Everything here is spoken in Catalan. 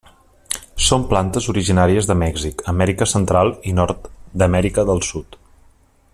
Són plantes originàries de Mèxic, Amèrica Central, i nord d'Amèrica del Sud.